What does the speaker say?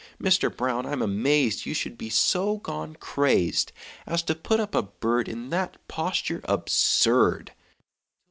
Mister Brown, I'm amazed You should be so gone crazed As to put up a bird In that posture absurd!